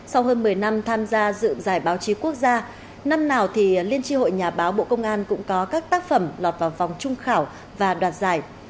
sau hơn một mươi năm tham gia dự giải báo chí quốc gia năm nào liên tri hội nhà báo bộ công an cũng có các tác phẩm lọt vào vòng trung khảo và đoạt giải